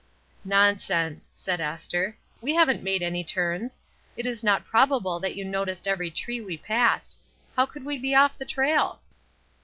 "Nonsense!'' said Esther. "We haven't made any turns. It is not probable that you noticed every tree we passed. How could we be off the trail?"